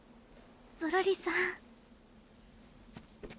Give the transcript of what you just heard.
ゾロリさん。